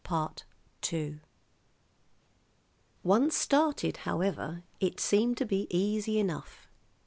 "] Once started, however, it seemed to be easy enough.